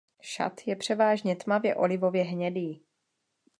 Šat je převážně tmavě olivově hnědý.